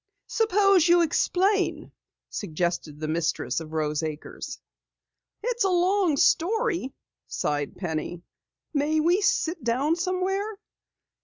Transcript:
"Suppose you explain," suggested the mistress of Rose Acres. "It's a long story," sighed Penny. "May we sit down somewhere?"